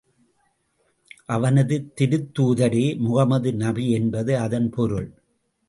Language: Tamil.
அவனது திருத்தூதரே முகமது நபி என்பது அதன் பொருள்.